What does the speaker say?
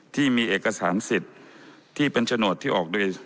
ที่มีเอกสารสิทธิ์ที่เป็นโฉนดที่ออกโดย